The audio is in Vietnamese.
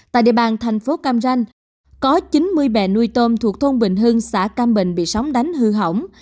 tại địa bàn thành phố cam ranh có chín mươi bè nuôi tôm thuộc thôn bình hưng xã cam bình bị sóng đánh hư hỏng